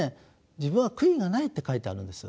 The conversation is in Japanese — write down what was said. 「自分は悔いがない」って書いてあるんです。